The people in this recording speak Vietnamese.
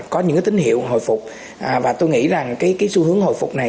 có những tín hiệu hồi phục và tôi nghĩ rằng cái xu hướng hồi phục này